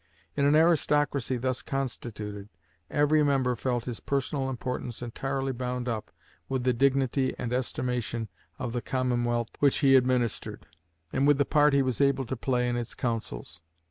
In an aristocracy thus constituted, every member felt his personal importance entirely bound up with the dignity and estimation of the commonwealth which he administered, and with the part he was able to play in its councils.